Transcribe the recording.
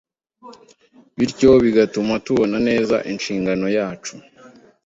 bityo bigatuma tubona neza inshingano yacu